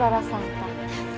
biar aku saja yang bayar